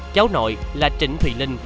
cháu nội là trịnh thùy linh